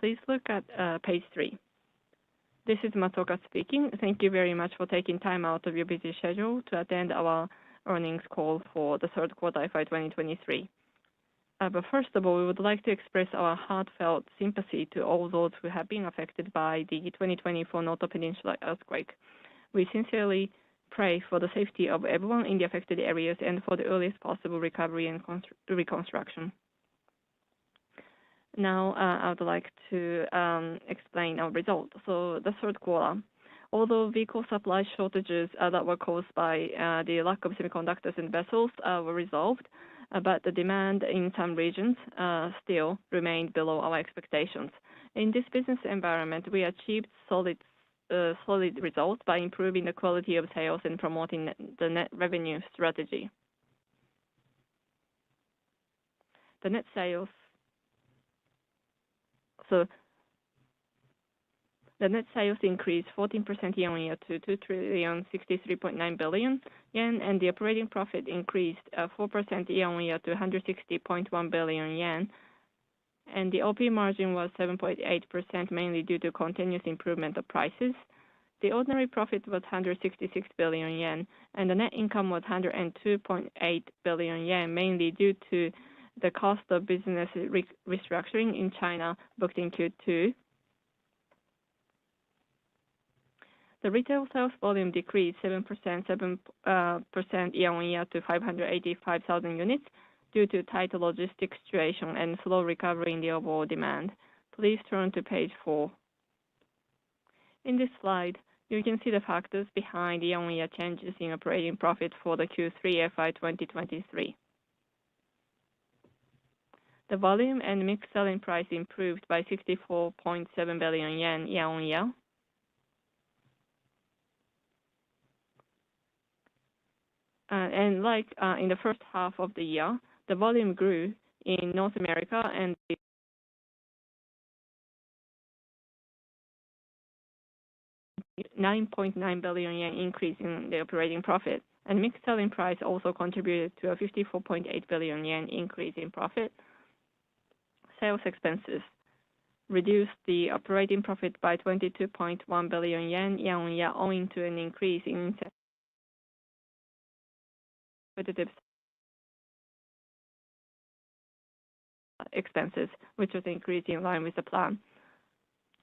Please look at page 3. This is Matsuoka speaking. Thank you very much for taking time out of your busy schedule to attend our earnings call for the third quarter FY 2023. But first of all, we would like to express our heartfelt sympathy to all those who have been affected by the 2024 Noto Peninsula earthquake. We sincerely pray for the safety of everyone in the affected areas and for the earliest possible recovery and reconstruction. Now, I would like to explain our results. So the third quarter, although vehicle supply shortages that were caused by the lack of semiconductors and vessels were resolved, but the demand in some regions still remained below our expectations. In this business environment, we achieved solid, solid results by improving the quality of sales and promoting the Net Revenue Strategy. The net sales, so the net sales increased 14% year-on-year to 2,063.9 billion yen, and the operating profit increased 4% year-on-year to 160.1 billion yen. The OP margin was 7.8%, mainly due to continuous improvement of prices. The ordinary profit was 166 billion yen, and the net income was 102.8 billion yen, mainly due to the cost of business restructuring in China, booked in Q2. The retail sales volume decreased 7% year-on-year to 585,000 units, due to tighter logistics situation and slow recovery in the overall demand. Please turn to page 4. In this slide, you can see the factors behind the year-on-year changes in operating profit for the Q3 FY 2023. The volume and Mixe/selling price improved by 64.7 billion yen year-on-year. And like, in the first half of the year, the volume grew in North America and nine point nine billion yen increase in the operating profit, and Mixe/Selling price also contributed to a 54.8 billion yen increase in profit. Sales expenses reduced the operating profit by 22.1 billion yen year-on-year, owing to an increase in expenses, which was increased in line with the plan.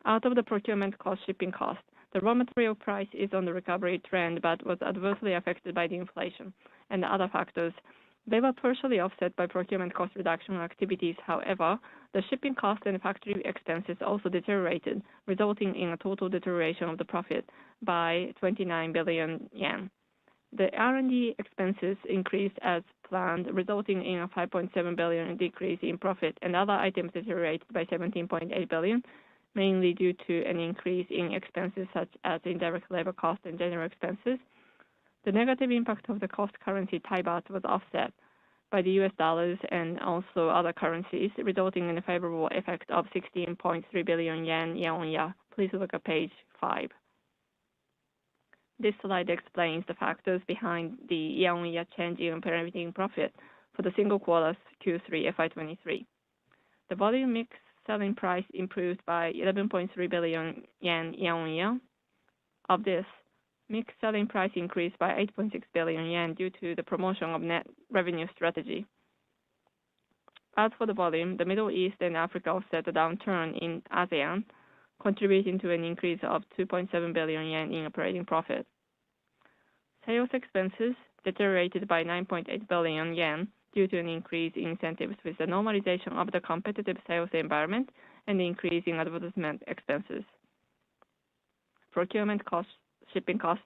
Out of the procurement cost, shipping cost, the raw material price is on the recovery trend, but was adversely affected by the inflation and other factors. They were partially offset by procurement cost reduction activities. However, the shipping cost and factory expenses also deteriorated, resulting in a total deterioration of the profit by 29 billion yen. The R&D expenses increased as planned, resulting in a 5.7 billion decrease in profit, and other items deteriorated by 17.8 billion, mainly due to an increase in expenses such as indirect labor cost and general expenses. The negative impact of the cost currency Thai baht was offset by the U.S. dollars and also other currencies, resulting in a favorable effect of 16.3 billion yen, year-on-year. Please look at page 5. This slide explains the factors behind the year-on-year change in operating profit for the single quarter Q3 FY 2023. The volume Mix/selling price improved by 11.3 billion yen, year-on-year. Of this, Mix/Selling Price increased by 8.6 billion yen, due to the promotion of Net Revenue Strategy. As for the volume, the Middle East and Africa offset the downturn in ASEAN, contributing to an increase of 2.7 billion yen in operating profit. Sales expenses deteriorated by 9.8 billion yen due to an increase in incentives with the normalization of the competitive sales environment and increase in advertisement expenses. Procurement costs, shipping costs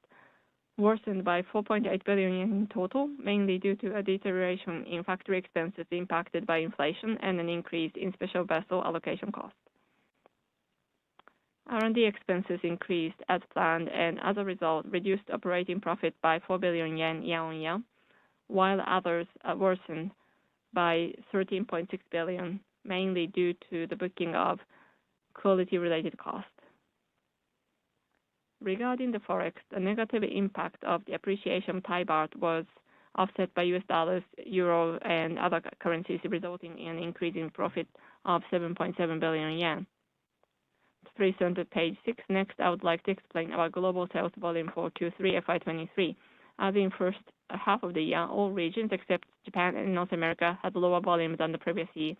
worsened by 4.8 billion in total, mainly due to a deterioration in factory expenses impacted by inflation and an increase in special vessel allocation costs. R&D expenses increased as planned, and as a result, reduced operating profit by 4 billion yen, year-on-year, while others worsened by 13.6 billion, mainly due to the booking of quality-related costs. Regarding the Forex, the negative impact of the appreciation Thai baht was offset by U.S. dollars, euro, and other currencies, resulting in an increase in profit of 7.7 billion yen. Please turn to page 6. Next, I would like to explain our global sales volume for Q3 FY2023. As in first half of the year, all regions except Japan and North America, had lower volumes than the previous year.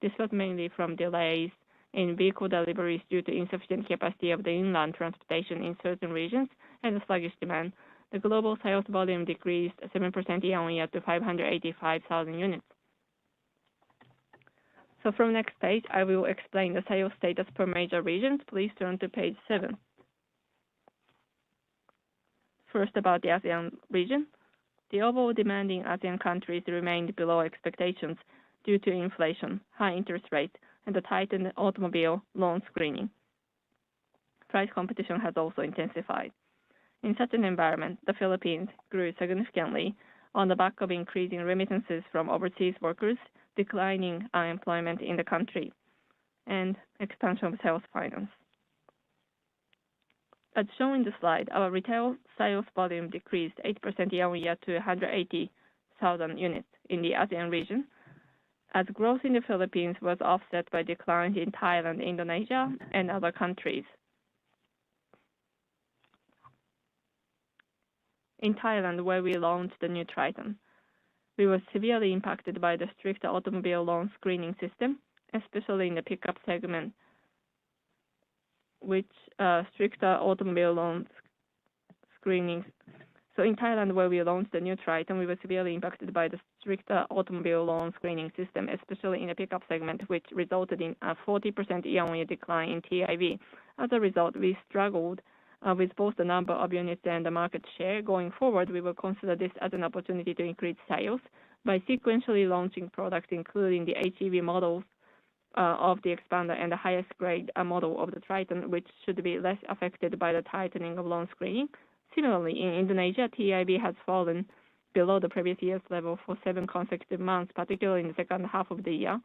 This was mainly from delays in vehicle deliveries due to insufficient capacity of the inland transportation in certain regions and the sluggish demand. The global sales volume decreased 7% year-on-year to 585,000 units. So from next page, I will explain the sales status per major regions. Please turn to page 7. First, about the ASEAN region. The overall demand in ASEAN countries remained below expectations due to inflation, high interest rates, and the tightened automobile loan screening. Price competition has also intensified. In such an environment, the Philippines grew significantly on the back of increasing remittances from overseas workers, declining unemployment in the country, and expansion of sales finance. ...As shown in the slide, our retail sales volume decreased 8% year-on-year to 180,000 units in the ASEAN region, as growth in the Philippines was offset by decline in Thailand, Indonesia, and other countries. In Thailand, where we launched the new Triton, we were severely impacted by the stricter automobile loan screening system, especially in the pickup segment, which, stricter automobile loans screening. So in Thailand, where we launched the new Triton, we were severely impacted by the stricter automobile loan screening system, especially in the pickup segment, which resulted in a 40% year-on-year decline in TIV. As a result, we struggled with both the number of units and the market share. Going forward, we will consider this as an opportunity to increase sales by sequentially launching products, including the HEV models of the Xpander and the highest grade model of the Triton, which should be less affected by the tightening of loan screening. Similarly, in Indonesia, TIV has fallen below the previous year's level for seven consecutive months, particularly in the second half of the year,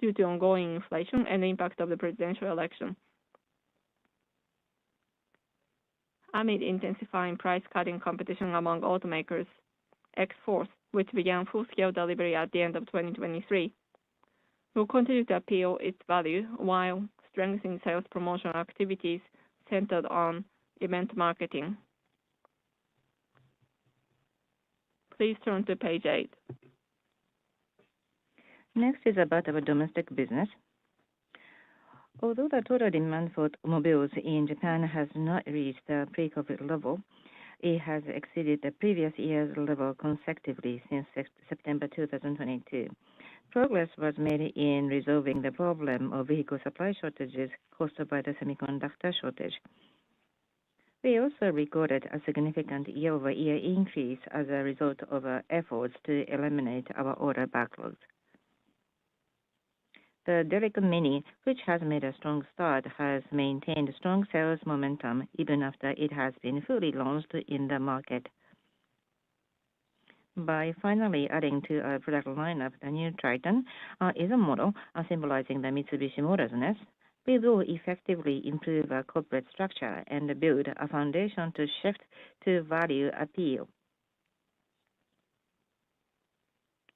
due to ongoing inflation and the impact of the presidential election. Amid intensifying price-cutting competition among automakers, Xforce, which began full-scale delivery at the end of 2023, will continue to appeal its value while strengthening sales promotional activities centered on event marketing. Please turn to page 8. Next is about our domestic business. Although the total demand for automobiles in Japan has not reached the pre-COVID level, it has exceeded the previous year's level consecutively since September 2022. Progress was made in resolving the problem of vehicle supply shortages caused by the semiconductor shortage. We also recorded a significant year-over-year increase as a result of our efforts to eliminate our order backlogs. The Delica Mini, which has made a strong start, has maintained strong sales momentum even after it has been fully launched in the market. By finally adding to our product lineup, the new Triton is a model symbolizing the Mitsubishi Motors-ness. We will effectively improve our corporate structure and build a foundation to shift to value appeal.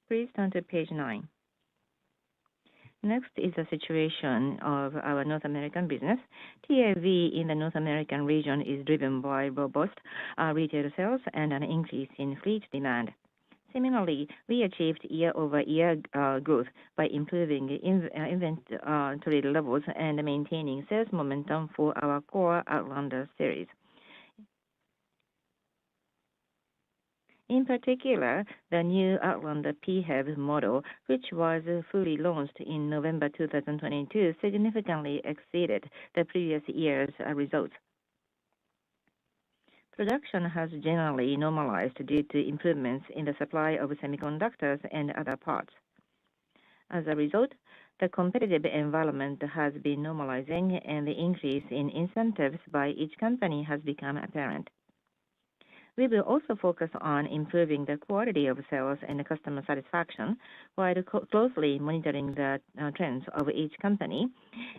Please turn to page nine. Next is the situation of our North American business. TIV in the North American region is driven by robust retail sales and an increase in fleet demand. Similarly, we achieved year-over-year growth by improving inventory levels and maintaining sales momentum for our core Outlander series. In particular, the new Outlander PHEV model, which was fully launched in November 2022, significantly exceeded the previous year's results. Production has generally normalized due to improvements in the supply of semiconductors and other parts. As a result, the competitive environment has been normalizing, and the increase in incentives by each company has become apparent. We will also focus on improving the quality of sales and customer satisfaction, while closely monitoring the trends of each company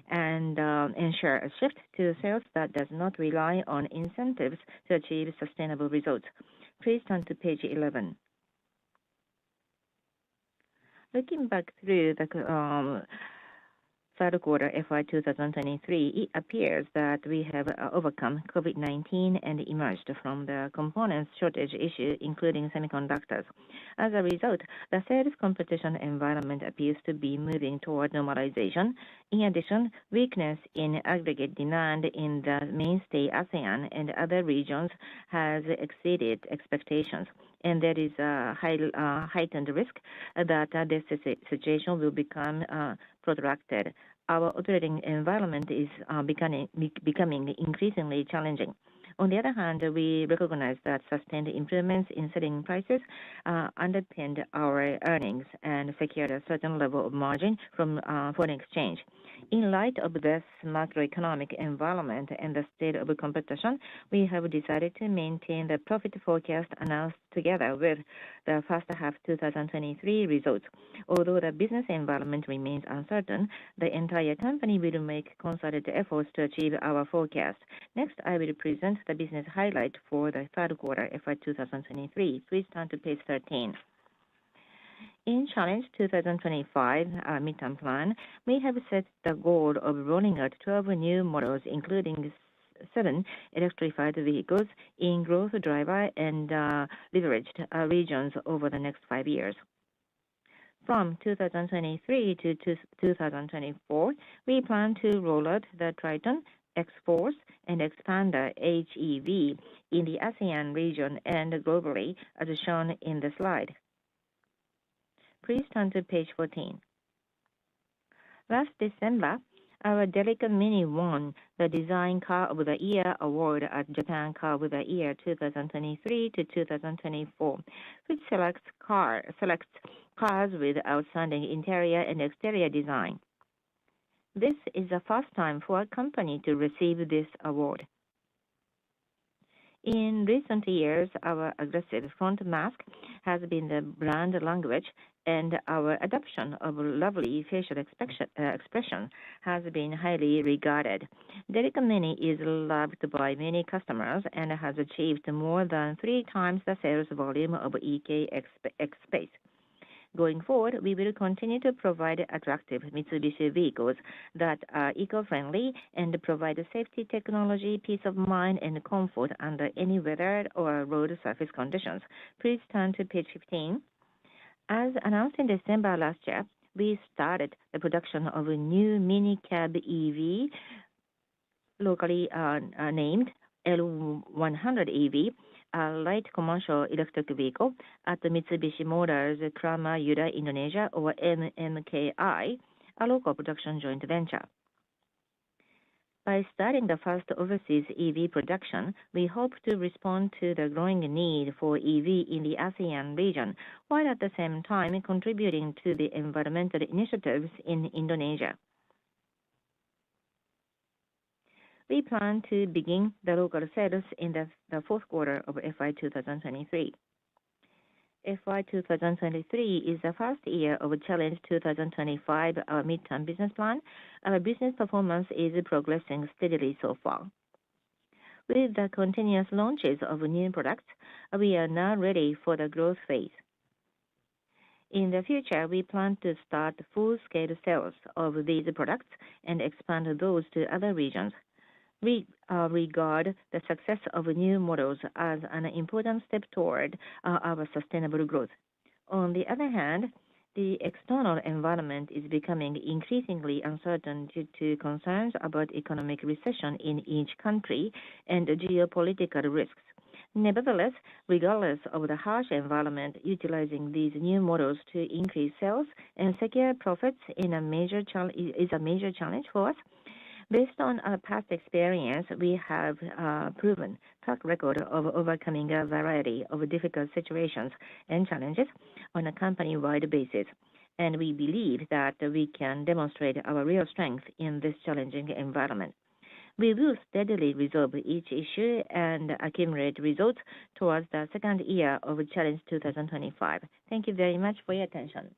and ensure a shift to sales that does not rely on incentives to achieve sustainable results. Please turn to page 11. Looking back through the third quarter, FY 2023, it appears that we have overcome COVID-19 and emerged from the component shortage issue, including semiconductors. As a result, the sales competition environment appears to be moving toward normalization. In addition, weakness in aggregate demand in the mainstay, ASEAN and other regions, has exceeded expectations, and there is a high, heightened risk that, this situation will become, protracted. Our operating environment is, becoming increasingly challenging. On the other hand, we recognize that sustained improvements in selling prices, underpinned our earnings and secured a certain level of margin from, foreign exchange. In light of this macroeconomic environment and the state of competition, we have decided to maintain the profit forecast announced together with the first half 2023 results. Although the business environment remains uncertain, the entire company will make concerted efforts to achieve our forecast. Next, I will present the business highlight for the third quarter of FY 2023. Please turn to page 13. In Challenge 2025, our midterm plan, we have set the goal of rolling out 12 new models, including 7 electrified vehicles in growth driver and leveraged regions over the next 5 years. From 2023 to 2024, we plan to roll out the Triton, Xforce, and Xpander HEV in the ASEAN region and globally, as shown in the slide. Please turn to page 14. Last December, our Delica Mini won the Design Car of the Year award at Japan Car of the Year 2023-2024, which selects cars with outstanding interior and exterior design. This is the first time for a company to receive this award. In recent years, our aggressive front mask has been the brand language, and our adoption of a lovely facial expression has been highly regarded. Delica Mini is loved by many customers and has achieved more than three times the sales volume of eK X Space. Going forward, we will continue to provide attractive Mitsubishi vehicles that are eco-friendly and provide safety, technology, peace of mind, and comfort under any weather or road surface conditions. Please turn to page 15. As announced in December last year, we started the production of a new Minicab EV, locally named L100 EV, a light commercial electric vehicle at the Mitsubishi Motors Krama Yudha Indonesia FY 2023 is the first year of Challenge 2025, our midterm business plan. Our business performance is progressing steadily so far. With the continuous launches of new products, we are now ready for the growth phase. In the future, we plan to start full-scale sales of these products and expand those to other regions. We regard the success of new models as an important step toward our sustainable growth. On the other hand, the external environment is becoming increasingly uncertain due to concerns about economic recession in each country and the geopolitical risks. Nevertheless, regardless of the harsh environment, utilizing these new models to increase sales and secure profits in a major challenge, is a major challenge for us. Based on our past experience, we have a proven track record of overcoming a variety of difficult situations and challenges on a company-wide basis, and we believe that we can demonstrate our real strength in this challenging environment. We will steadily resolve each issue and accumulate results towards the second year of Challenge 2025. Thank you very much for your attention.